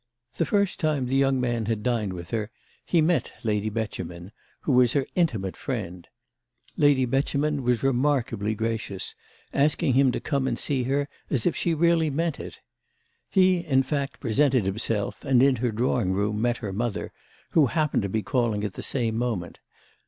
The first time the young man had dined with her he met Lady Beauchemin, who was her intimate friend. Lady Beauchemin was remarkably gracious, asking him to come and see her as if she really meant it. He in fact presented himself and in her drawing room met her mother, who happened to be calling at the same moment.